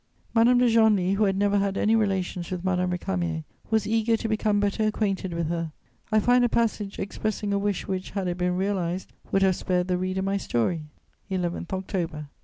] Madame de Genlis, who had never had any relations with Madame Récamier, was eager to become better acquainted with her. I find a passage expressing a wish which, had it been realized, would have spared the reader my story: "11 _October.